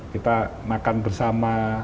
kita makan bersama